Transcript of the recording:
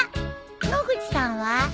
野口さんは？